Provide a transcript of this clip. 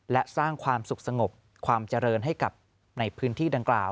และสร้างความสุขสงบความเจริญให้กับในพื้นที่ดังกล่าว